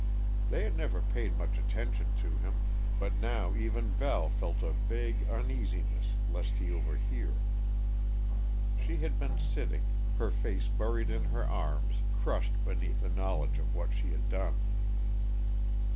They had never paid much attention to him; but now even Val felt a vague uneasiness lest he overhear. She had been sitting, her face buried in her arms, crushed beneath the knowledge of what she had done.